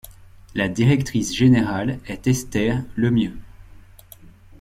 La directrice générale est Esther Lemieux.